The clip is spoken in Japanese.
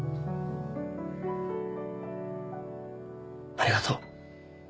ありがとう。